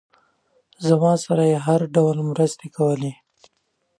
زما سره یې هر ډول مرستې کولې.